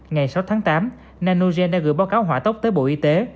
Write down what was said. ngày sáu tháng tám nanogen đã gửi báo cáo hỏa tốc tới bộ y tế